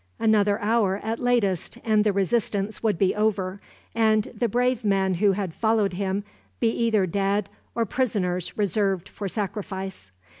Another hour at latest, and the resistance would be over, and the brave men who had followed him be either dead, or prisoners reserved for sacrifice.